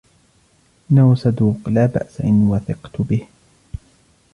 إنه صدوق. لا بأس إن وثقتُ به.